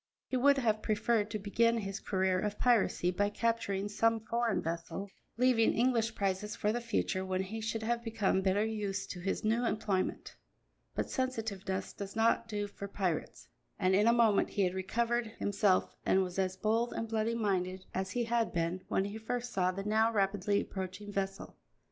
He would have preferred to begin his career of piracy by capturing some foreign vessel, leaving English prizes for the future, when he should have become better used to his new employment. But sensitiveness does not do for pirates, and in a moment he had recovered himself and was as bold and bloody minded as he had been when he first saw the now rapidly approaching vessel.